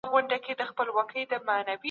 د کار ځواک مهارتونه د صنعت اړتیا پوره کوي.